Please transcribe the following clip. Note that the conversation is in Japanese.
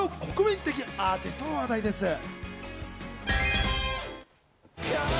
続いてはあの国民的アーティストの話題です。